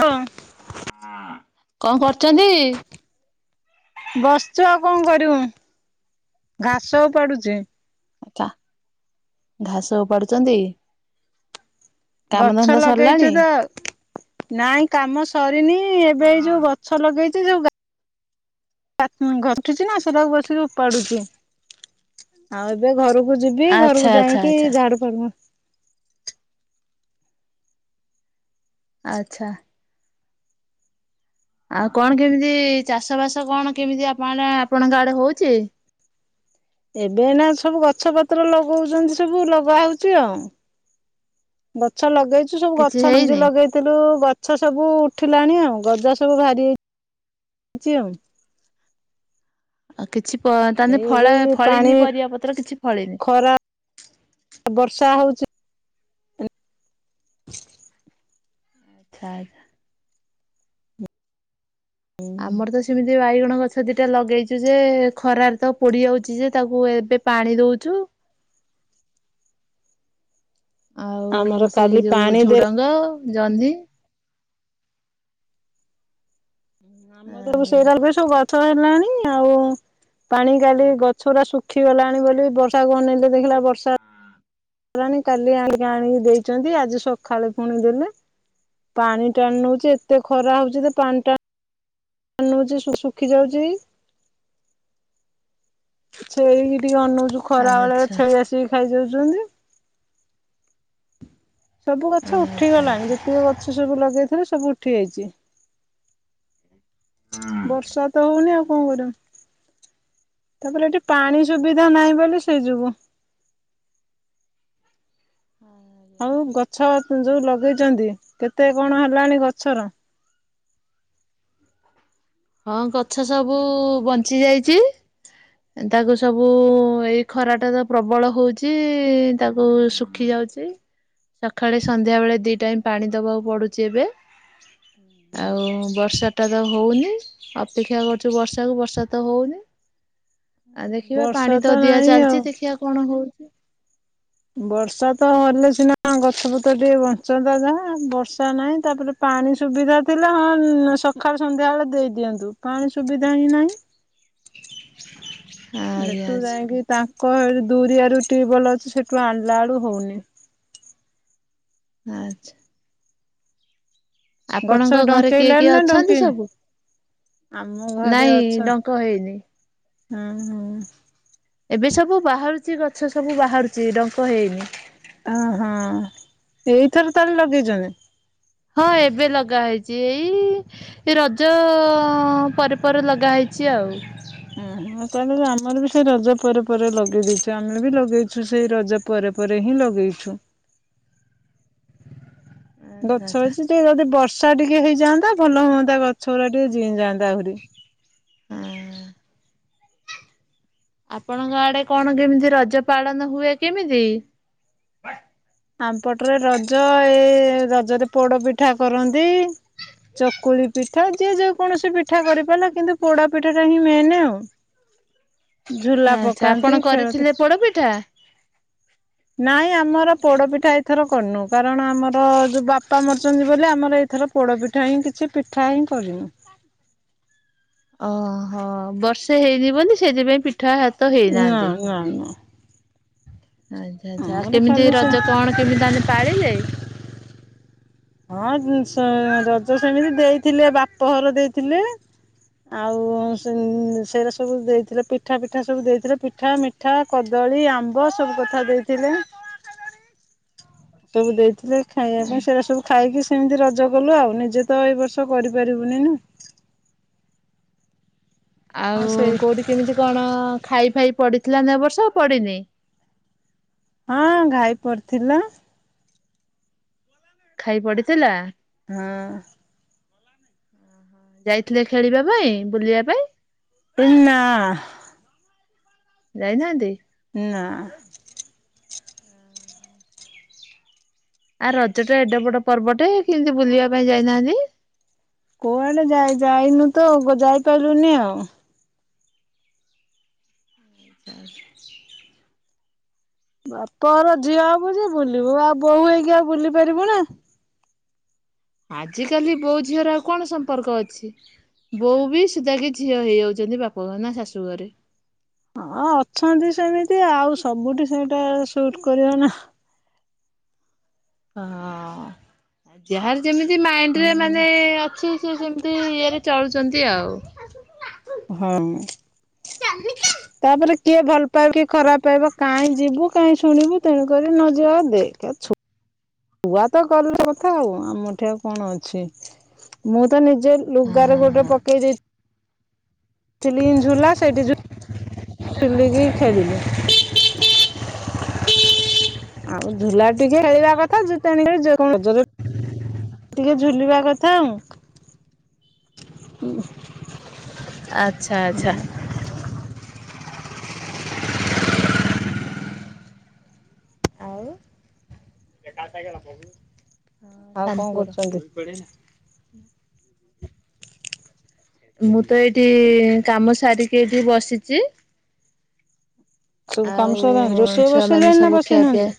ହଁ। [inaudible] କଣ କରୁଛନ୍ତି? ବସିଛୁ ଆଉ କଣ କରିବୁ ଘାସ ଉପାଡୁଛି। କା ଘାସ ଉପାଡୁଛନ୍ତି। ଗଛ କାମଧନ୍ଦା ଲଗେଇଛୁ ସରିଲାଣି? ତ। ନାଇଁ କାମ ସରିନି ଏବେ ଏଇ ଯୋଉ ଗଛ ଲଗେଇଛି ଯୋଉ [unintelligible] ଘଟିଛି ନା ସେଟାକୁ ବସିକି ଉପାଡୁଛି। ଆଉ ଏବେ ଘରକୁ ଯିବି ଆଚ୍ଛା ଘରକୁ ଆଚ୍ଛା ଯାଇକି ଆଚ୍ଛା ଝାଡୁ ଫାଡୁ ଆଛା। ଆଉ କଣ କେମିତି ଚାଷ ବାସ କଣ କେମିତି ଆପଣଆଡ ଆପଣଙ୍କ ଆଡେ ହଉଛି? ଏବେ ନା ସବୁ ଗଛ ପତ୍ର ଲଗଉଛନ୍ତି ସବୁ ଲଗା ହଉଛି ଆଉ। ଗଛ ଲଗେଇଛୁ ସବୁ କିଛି ଗଛ ମଞ୍ଜି ହେଇନି ଲଗେଇ ସେଠୁ ଗଛ ସବୁ ଉଠିଲାଣି ଆଉ ଗଜା ସବୁ ଭାରି ଇଛି ଆଉ। ଆଉ କିଛି ପ ତାହେଲେ ଏଇ ଏବେ ଫଳ ପାଣି ଫଳିନି ପରିବା ପତ୍ର କିଛି ଫଳିନି। ଖରା ବର୍ଷା ହଉଛି। ଆଛା। ଆମର ତ ସେମିତି ବାଇଗଣ ଗଛ ଛ ଦିଟା ଲଗେଇଛୁ ଯେ ଖରାରେ ତ ପୋଡ଼ି ଯାଉଛି ଯେ ତାକୁ ଏବେ ପାଣି ଦଉଛୁ। ଆମର ଆଉ ସେଇ କାଲି ଯେଉଁ ପାଣି ଦେ ଝୁଡ଼ଙ୍ଗ ଜହ୍ନି ଆମରତ ତୁ ଆଜ୍ଞା ସେଇଟାରେ ସବୁ ଗଛ ହେଲାଣି ଆଉ। ପାଣି କାଡ଼ି ଗଛ ଟା ଶୁଖି ଗଲାଣି ବୋଲି ବର୍ଷା କୁ ଅନେଇଲେ ଦେଖିଲାବେଳୁ ବର୍ଷା। ରାଣୀ କାଲି ଆଣିକି ଆଣିକି ଦେଇଛନ୍ତି ଆଜି ସକାଳେ ପୁଣି ଦେଲେ। ପାଣି ଟାଣି ନଉଛି ଏତେ ଖରା ହଉଛି ତ ପାଣି ଟା ନଉଛି ଶୁ ଶୁଖି ଯାଉଛି। ଛେଳିକି ଟିକେ ଅନଉଛୁ ଖରା ବେଳେ ଆଚ୍ଛା ଛେଳି ଆସିକି ଖାଇଯାଉଛନ୍ତି। ସବୁ ଗଛ ଆଚ୍ଛା ଉଠିଗଲାଣି ଯେତିକି ଗଛ ସବୁ ଲଗେଇଥିଲେ ସବୁ ଉଠି ଯାଇଛି। ବର୍ଷା ତ ହଉନି ଆଉ କଣ କରମୁଁ। ତାପରେ ଏଠି ପାଣି ସୁବିଧା ନାହିଁ ବୋଲି ସେ ଯୋଗୁଁ। ହଁ। ହଉ ଗଛ ଯୋଉ ଲଗେଇଛନ୍ତି କେତେ କଣ ହେଲାଣି ଗଛର? ହଁ ଗଛ ସବୁ ବଞ୍ଚି ଯାଇଛି। ତାକୁ ସବୁ ଏଇ ଖରାଟା ତ ପ୍ରବଳ ହଉଛି ତାକୁ ଶୁଖି ଯାଉଛି। ସକାଳେ ସନ୍ଧ୍ୟା ବେଳେ ଦି ଟାଇମ୍ ପାଣି ଦବାକୁ ପଡୁଛି ଏବେ। ଆଉ ବର୍ଷା। ଏଟା ତ ହଉନି ଅପେକ୍ଷା କରୁଛୁ ବର୍ଷାକୁ ବର୍ଷା ତ ହଉନି ଆଉ ଦେଖିବା ବର୍ଷା ପାଣି ତ ଦିଆ ନାହିଁ ଆଉ। ଚାଲିଚ ଦେଖିବା କଣ ହଉଛି। ବର୍ଷା ତ ହେଲେ ସିନା ଗଛପତ୍ର ଟିକେ ବଞ୍ଚନ୍ତା ଯାହା ବର୍ଷା ନାହିଁ ତାପରେ ପାଣି ସୁବିଧା ଥିଲେ ହଁ ସକାଳ ସନ୍ଧ୍ୟାବେଳେ ଦେଇଦିଅନ୍ତୁ ପାଣି ସୁବିଧା ହିଁ ନାହିଁ ଆଜ୍ଞା ଏଠୁ ଆଚ୍ଛା ଯାଇକି ତାଙ୍କ ଦୁରିଆରୁ ଟ୍ୟୁବଲ ଅଛି ସେଠୁ ଆଣିଲା ବେଳୁ ହଉନି ଆଚ୍ଛା ଆପଣଙ୍କ ଗଛ ଘରେ କିଏ କିଏ ଡଙ୍କେଇଲାଣି ନା ଅଛନ୍ତି ଡଙ୍କେଇନି? ସବୁ? ଆମ ଘରେ ନାଇଁ ଅଛ ଡଙ୍କ ହେଇନି। ହୁଁ ହୁଁ ଏବେ ସବୁ ବାହାରୁଛି ଗଛ ସବୁ ବାହାରୁଛି ଡଙ୍କ ହେଇନି ଅହୋ ଏଇଥର ତାହେଲେ ଲଗେଇଛଛନ୍ତି? ହଁ ଏବେ ଲଗା ହେଇଛି ଏଇ ଏ ରଜ ପରେ ପରେ ଲଗା ହେଇଛି ଆଉ ଉୁଁ ହ ତାହେଲେ ଆମର ବି ସେ ରଜ ପରେ ପରେ ଲଗେଇ ଦେଇଛ ଆମେ ବି ଲଗେଇଛୁ ସେଇ ରଜ ପରେ ପରେ ହିଁ ଲଗେଇଛୁ। [unintelligible] ଆଚ୍ଛା ଗଛ ଆଚ୍ଛା ଅଛି ଟିକେ ଯଦି ବର୍ଷା ଟିକେ ହେଇଯାଆନ୍ତା ଭଲ ହଅନ୍ତା ଗଛ ଗୁରା ଟିକେ ଜିଇ ଯାନ୍ତା ଆହୁରି। ହଁ ଆପଣଙ୍କ ଆଡେ କଣ କେମିତି ରଜ ପାଳନ ହୁଏ କେମିତି? ଆମପଟରେ ରଜ ଏଇ ରଜରେ ପୋଡ ପିଠା କରନ୍ତି ଚକୁଳି ପିଠା ଯିଏ ଯେକୌଣସି ପିଠା କରିପାରିଲା କିନ୍ତୁ ପୋଡା ପିଠା ଟା ହିଁ ମେନ୍ ଆଉ ଝୁଲା ଆଛା ପକାନ୍ତି ଆପଣ ଖେଳନ୍ତି କରିଥିଲେ ପୋଡପିଠା? ନାଇଁ ଆମର ପୋଡ଼ପିଠା ଏଇଥର କରିନୁ କାରଣ ଆମର ଯେଉ ବାପା ମାରୁଛନ୍ତି ବୋଲି ଆମର ଏ ଏଥର ପୋଡ଼ପିଠା ହିଁ କିଛି ପିଠା ହିଁ କରିନୁ। ଓହୋ ବର୍ଷେ ହେଇନି ବୋଲି ସେଥିପାଇଁ ପିଠା ହାତ ହେଇନାହାନ୍ତି। [unintelligible] ଆଚ୍ଛା ଆଚ୍ଛା ଆଉ ଆମର କେମିତି ଖାଲି ସେ ରଜ କଣ କେମିତି [unintelligible] ପାଳିଲେ? ହଁ ରଜ ସେମିତି ଦେଇଥିଲେ ବାପଘର ଦେଇଥିଲେ ଆଉ ସେରେ ସବୁ ଦେଇଥିଲେ ପିଠା ପିଠା ସବୁ ଦେଇଥିଲେ ପିଠା ମିଠ ପିଠା କଦଳୀ ଆମ୍ବ ସବୁ କଥା ଦେଇଥିଲେ ସବୁ ଦେଇଥିଲେ ଖାଇବା ପାଇଁ ସେଇଟା ସବୁ ଖାଇକି ସେମିତି ରଜ କଲୁ ଆଉ ନିଜେ ତ ଏଇ ବର୍ଷ କରିପାରିବୁନି ନା ଆଉ କୋଉଠି କେମିତି କଣ ଖାଇ ଫାଇ ପଡିଥିଲା ନା ଏଇ ବର୍ଷା ନା ପଡ଼ିନି? ହଁ ଘାଇ ପଡିଥିଲା ଖାଇ ପଡିଥିଲା? ହଁ ଯାଇଥିଲେ ଖେଳିବା ପାଇଁ ବୁଲିବା ପାଇଁ? ନା ଯାଇନାହାନ୍ତି? ନା [unintelligible] ଆ ରଜ ଟା ଏଡେ ବଡ ପର୍ବଟେ କେମିତି ବୁଲିବା ପାଇଁ ଯାଇନାହାନ୍ତି? କୋଉ ଆଡେ ଯାଇ ଯାଇନୁ ତ ଯାଇପାରିଲୁନି ଆଉ [unintelligible] ବାପର ଝିଅ ହବୁ ଯେ ବୁଲିବୁ ଆଉ ବୋଉ ହେଇକି ଆଉ ବୁଲି ପାରିବୁ ନା ଆଜ କାଲି ବୋଉ ଝିଅର ଆଉ କଣ ସମ୍ପର୍କ ଅଛି ବୋଉ ବି ସୁଧାକି ଝିଅ ହେଇଯାଉଛନ୍ତି ବାପଘର ନା ଶାଶୁଘରେ ହଁ ଅଛନ୍ତି ସେମିତି ଆଉ ସବୁଠି ସେଇଟା ସୁଟ୍ କରିବ ନା। ହଁ ଯାହାର ଯେମିତି ମାଇଣ୍ଡ ରେ ମାନେ ଅଛି। ଯିଏ ଯେମିତି ଇଏରେ ଚଳୁଛନ୍ତି ଆଉ। ହମ୍ ତାପରେ କିଏ ଭଲ ପାଇବ କିଏ ଖରାପ ପାଇବ କାହିଁ ଯିବୁ? କାହିଁ ଶୁଣିବୁ ତେଣୁକରି ନଯିବା ଆଉ ଦେଖେ ଛୋଟ୍ ଛୁଆ ତ କଲେ କଥା ଆଉ ଆମଠି ଆଉ କଣ ଅଛି। ମୁଁ ତ ନିଜ ଲୁଗାରେ ଗୋଟେ ପକେଇ ଦେଇଛି। ଥିଲି ଝୁଲା ସେଇଠି ଝୁ ଝୁଲିକି ଖେଳିଲି। ଆଉ ଝୁଲା ଟିକେ ଖେଳିବା କଥା ଯୁତନିରେ ରଜରେ ଟିକେ ଝୁଲିବା କଥା ଆଉ। ଆଚ୍ଛା ଆଚ୍ଛା। ଆଉ [inaudible] ହଁ ଆଉ ସାନ କଣ ପୁଅର। କରୁଛନ୍ତି ମୁଁ ତ ଏଇଠି କାମ ସାରିକି ଏଇଠି ବସିଛି। ସବୁ ଆଉ କାମ ସରିଲାଣି ରୋଷେଇ ଛୁଆମାନେ ବସେଇଲେଣି ନା ସବୁ ଖିଆପିଆ ବସେଇନାହାନ୍ତି?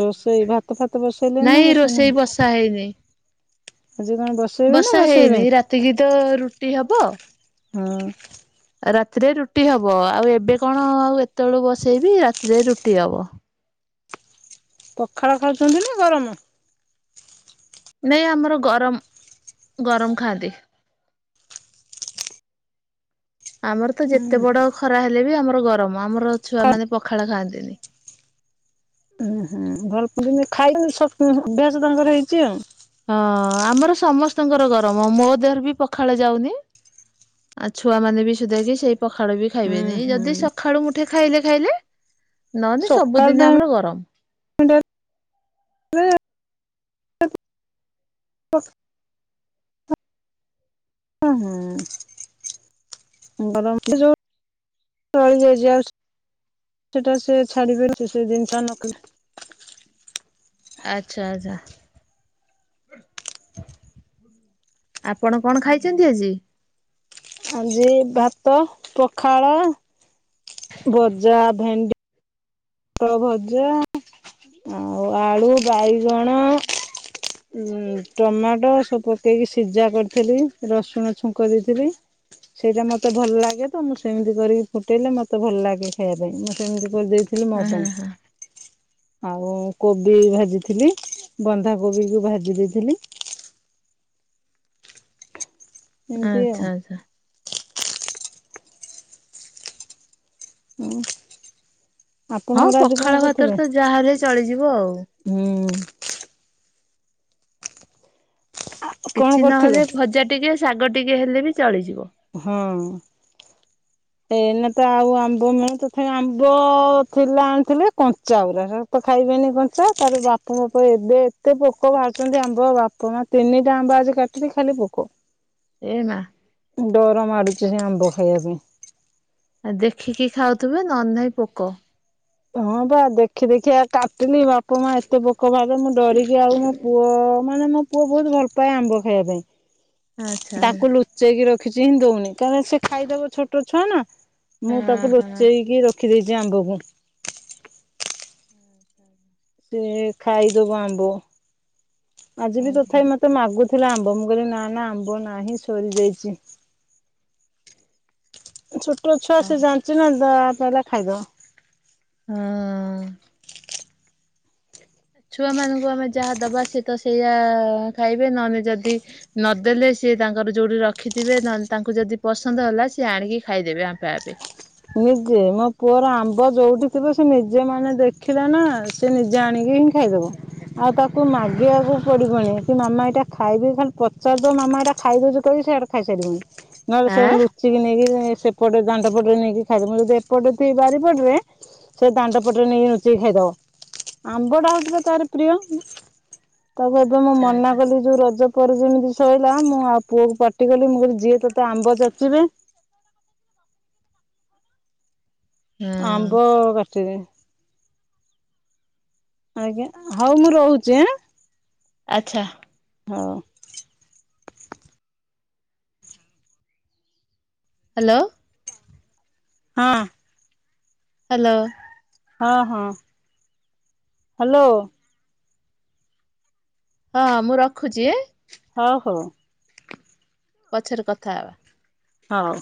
ରୋଷେଇ ଭାତ ଫାତ ବସେଇଲେଣି ନା ନାଇଁ ରୋଷେଇ ବସା ହେଇନି। ବସେଇନାହାନ୍ତି? ଆଜି କଣ ବଶ୍ ବସା ହେଇନି ରାତିକି ତ ରୁଟି ହବ। ହଁ। ରାତିରେ ରୁଟି ହବ ଆଉ ଏବେ କଣ ଆଉ ଏତେବେଳୁ ବସେଇବି ରାତିରେ ରୁଟି ହବ। ପଖାଳ ଖାଉଛନ୍ତି ନା ଗରମ? ନାଇଁ ଆମର ଗରମ୍ ଗରମ୍ ଖାଆନ୍ତି। ଆମର ତ ଉଁ ଯେତେ ବଡ଼ ଖରା ହେଲେ ବି ଆମର ଗରମ ଆମର ଛୁଆ ମାନେ ପଖାଳ ଖାଆନ୍ତିନି। ଉଁ ହୁଁ ଭଲ ପୁଡୁନି ଖାଇନି ଅଭ୍ୟାସ ତାଙ୍କର ହେଇଛି ଆଉ। ହଁ ଆମର ସମସ୍ତଙ୍କର ଗରମ ମୋ ଦେହରେ ବି ପକ୍ ପଖାଳ ଯାଉନି। ଆ ଛୁଆ ମାନେ ବି ସୁଧା କିି ସେଇ ପଖାଳ ବି ହୁଁ ଖାଇବେନି ଏଇ ହୁଁ ଯଦି ସ ଖାଳୁ ମୁଠେ ଖାଇଲେ ଖାଇଲେ ନହେଲେ ସକାଳ ସବୁଦିନ ଆମର ଟାଇମ ଗରମ୍। ଟା ଉଁ ହୁଁ। [inaudible] ସେଟା ସେ ଛାଡିିବେନି ସେ ସବୁ ଜିନିଷ ନ କଲେ। ଆଚ୍ଛା ଆଚ୍ଛା। ଆପଣ କଣ ଖାଇଛନ୍ତି ଆଜି? ଆଜି ଭାତ, ପଖାଳ ଭଜା, ଭେଣ୍ଡି ପୋଟଳ ଭଜା ଆଉ ଆଳୁ, ବାଇଗଣ ଉଁ ଟମାଟୋ ସବୁ ପକେଇକି ସିଝା କରିଥିଲି ରସୁଣ ଛୁଙ୍କ ଦେଇଥିଲି। ସେଇଟା ମୋତେ ଭଲ ଲାଗେ ତ ମୁଁ ସେମିତି କରିକି ଫୁଟେଇଲେ ମତେ ଭଲ ଲାଗେ ଖାଇବା ପାଇଁ। ମୁଁ ସେମିତି କରିଦେଇ ଥିଲି ମୋ ପାଇଁ। ଆଉ କୋବି ଭାଜିଥିଲି ବନ୍ଧାକୋବିକୁ ଭାଜି ଦେଇଥିଲି। ଏମିତି ଆଉ ଆଚ୍ଛା ଆଚ୍ଛା। ହୁଁ। ହଁ ଆପଣଙ୍କର ଆଜି କଣ ପଖାଳ ଭାତରେ କରିଥିଲେ? ତ ଯାହାହେଲେ ଚଳିଯିବ ଆଉ। ହୁଁ କଣ କିଛି କରିଥିଲେ? ନହେଲେ ଭଜା ଟିକେ ଶାଗ ଟିକେ ହେଲେ ବି ଚଳିଯିବ। ହଁ। ଏଇନା ତ ଆଉ ଆମ୍ବ ମିଳୁନି ତଥାପି ଆମ୍ବ ଥିଲା ଆଣିଥିଲେ କଞ୍ଚା ଉରା ସେ ତ ଖାଇବେନି କଞ୍ଚା ତାପରେ ବାପ ଭାପ ଏବେ ଏତେ ପୋକ ବାହାରୁଛନ୍ତି ଆମ୍ବ ବାପ୍ କୁହ ତିନିଟା ଆମ୍ବ ଆଜି କାଟିଲି ଖାଲି ପୋକ। ଏ ନା ଡର ମାଡୁଛି ସେ ଆମ୍ବ ଖାଇବା ପାଇଁ। ଆଉ ଦେଖିକି ଖାଉଥିବେ ନ ନାଇଁ ପୋକ। ହଁ ବା ଦେଖି ଦେଖି ଆ କାଟିଲି ବାପା ମା ଏତେ ପୋକ ଭା ମୁଁ ଡରିକି ଆଉ ମୋ ପୁଅ ମାନେ ମୋ ପୁଅ ବହୁତ ଭଲ ପାଏ ଆମ୍ବ ଖାଇବା ଆଚ୍ଛା ପାଇଁ ହଁ ତାକୁ ଲୁଚ ଲୋଚେଇକି ରଖିଛି ହିଁ ଦଉନି କାରଣ ସେ ଖାଇଦବ ଛୋଟ ଛୁଆ ନା ମୁଁ ତାକୁ ହଁ ଲୁଚେଇକି ରଖି ରଖିଦେଇଛି ଆମ୍ଭକୁ। [inaudible] ସେ ଖାଇଦବ ଆମ୍ବ ଆଜି ବି ଓହୋ ତଥାପି ମ ମାଗୁଥିଲା ଆମ୍ବ ମୁଁ କହିଲି ନା ନା ଆମ୍ବ ନାହିଁ ସରିଯାଇଛି। ଛୋଟ ଛୁଆ ହଁ। ସେ ଜାଣିଛି ନା ଯାହା ପାଇଲା ଖାଇଦେବ। ହଁ। ଛୁଆ ମାନଙ୍କୁ ଆମେ ଯାହା ଦବା ସଏ ତ ସେଇଆ ଖାଇବେ ନହେଲେ ଯଦି ନଦେଲେ ସିଏ ତାଙ୍କର ଯୋଉଠି ରଖିଥିବେ ନହେଲେ ତାଙ୍କୁ ଯଦି ପସନ୍ଦ ହେଲା ସିଏ ଆଣିକି ଖାଇଦେବେ ଆପେ ଆପେ। ନିଜେ ମୋ ପୁଅର ଆମ୍ବ ଯୋଉଠି ଥିବ ସେ ନିଜେ ମାନେ ଦେଖିଲେ ନା। ସେ ନିଜେ ଆଣିକି ହିଁ ଖାଇଦବ। ଆଉ ତାକୁ ମାଗିବାକୁ ପଡିବନି କି ମାମା ଏଇଟା ଖାଇବି ଖାଲି ପଚାର ଦ ମାମା ଏଟା ଖାଇବୁ କିବି ସେଇଆ ଖାଇସାରିବଣି ନହେଲେ ସେ ଆଁ ଲୁଚିକି ନେଇକି ସେପଟେ ଦାଣ୍ଡ ପଟରେ ନେଇକି। ଖାଇଦବ ମୁଁ ଏପଟେ ବାରିପଟରେ, ସେ ଦାଣ୍ଡ ପଟରେ ନେଇକି ଲୁଚେଇ ଖାଇଦବ। ଆମ୍ବଟା ହଉଛିଥିଲା ତାର ପ୍ରିୟ ତାକୁ ଏବେ ମୁଁ ଆଚ୍ଛା ମନା ଆଚ୍ଛା କଲି ଯୋଉ ରଜ ଉପ ଯେମିତି ଶୋଇଲା ମୁଁ ଆଉ ପୁଅକୁ ପାଟି କଲି ମୁଁ କହିଲି ଯିଏ ତୋତେ ଆମ୍ବ ଯାଚିବେ। ହଁ ଆମ୍ବ କାଟିବେ। ଆଜ୍ଞା ହଉ ମୁଁ ରହୁଛି ହ ଆଚ୍ଛା। ହଉ। ହ୍ୟାଲୋ। ହଁ। ହ୍ୟାଲୋ। ହଁ ହଁ। ହ୍ୟାଲୋ। ହଁ ମୁଁ ରଖୁଛି। ହ ହଉ। ପଛରେ କଥା ହେବା। ହଉ।